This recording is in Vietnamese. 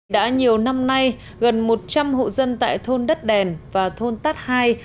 đã nhiều năm nay gần một trăm linh hộ dân tại thôn đất đèn và thôn tát hai